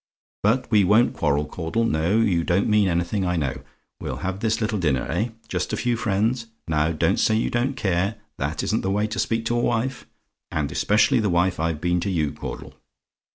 "But we won't quarrel, Caudle. No; you don't mean anything, I know. We'll have this little dinner, eh? Just a few friends? Now don't say you don't care that isn't the way to speak to a wife; and especially the wife I've been to you, Caudle.